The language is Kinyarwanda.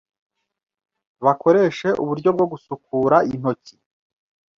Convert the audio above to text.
bakoreshe uburyo bwo gusukura intoki